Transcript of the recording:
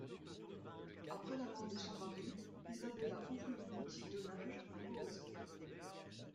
Après la mort de son mari, Isabella ouvrit une boutique de linge à Goes.